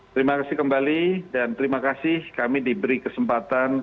terima kasih kembali dan terima kasih kami diberi kesempatan